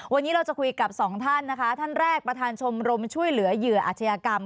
วันนี้เราจะคุยกับสองท่านนะคะท่านแรกประธานชมรมช่วยเหลือเหยื่ออาชญากรรม